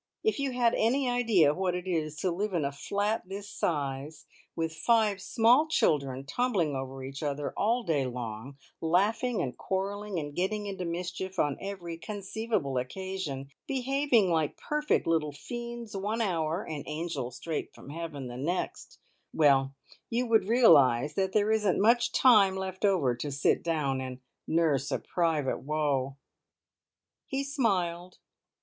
If you had any idea what it is to live in a flat this size, with five small children tumbling over each other all day long, laughing and quarrelling and getting into mischief on every conceivable occasion, behaving like perfect little fiends one hour and angels straight from heaven the next well, you would realise that there isn't much time left over to sit down and nurse a private woe!" He smiled.